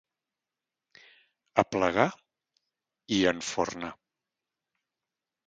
Aplegar i enfornar.